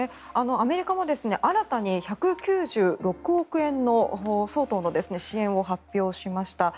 アメリカも新たに１９６億円相当の支援を発表しました。